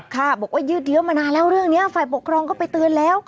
ค่ะบอกว่ายืดเยอะมานานแล้วเรื่องนี้ฝ่ายปกครองก็ไปเตือนแล้ว